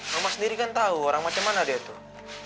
mama sendiri kan tahu orang macam mana dia tuh